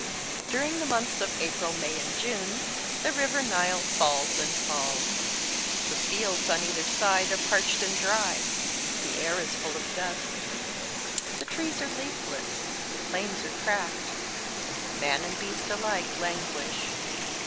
During the months of April, May, and Juno the river Nile falls and falls. The fields on either side are parched and dry ; the air is full of dust. The trees are leafless, the plains are cracked ; man and beast alike languish.